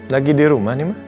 lagi di rumah nih mak